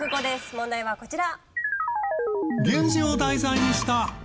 問題はこちら。